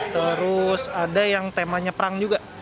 terus ada yang temanya perang juga